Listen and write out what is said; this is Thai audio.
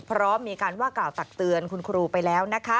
เพราะมีการว่ากล่าวตักเตือนคุณครูไปแล้ว